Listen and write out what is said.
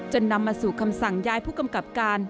นำมาสู่คำสั่งย้ายผู้กำกับการ